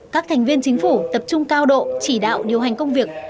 các thành viên chính phủ tập trung cao độ chỉ đạo điều hành công việc